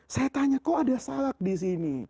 saya tanya kok ada salak disini